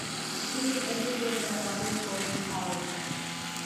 He was educated at Robert Gordon's College.